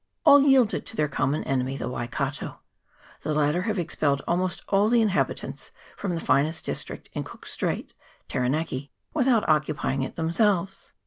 All yielded to their common enemy, the Waikato. The latter have expelled almost all the inhabitants from the finest district in Cook's Straits, Taranaki, without occupying it themselves.